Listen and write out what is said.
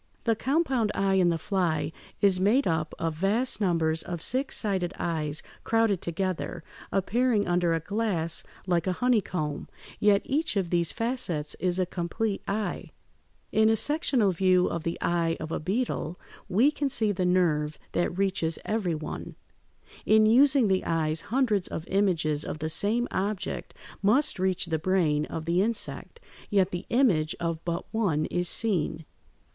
The compound eye in the fly is made up of vast numbers of six sided eyes crowded together, appearing under a glass like a honeycomb; yet each of these facets is a complete eye. In a sectional view of the eye of a beetle (Fig. 157) we can see the nerve that reaches every one. In using the eyes hundreds of images of the same object must reach the brain of the insect, yet the image of but one is seen.